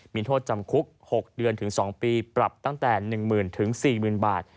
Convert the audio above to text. มีโทษจำคุก๖เดือนถึง๒ปีปรับตั้งแต่๑๐๐๐๔๐๐๐บาท